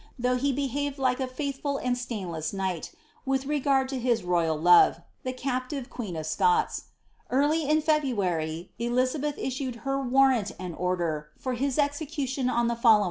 though he behaved like a faithful and stainless knight, with regard to his royal love, the captive queen of Scots. Early in Febniary Dizabeih issued her warrant and order for his execution on the follow *C^.r1lplete Ambas H'lor.